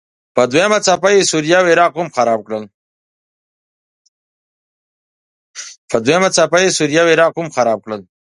په دوهمه څپه کې یې سوریه او عراق هم خراب کړل.